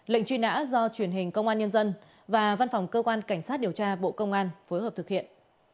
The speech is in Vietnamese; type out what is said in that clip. lệnh truy nã do truyền hình công an nhân dân và văn phòng cơ quan cảnh sát điều tra bộ công an phối hợp thực hiện